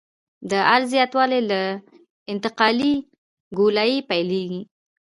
د عرض زیاتوالی له انتقالي ګولایي پیلیږي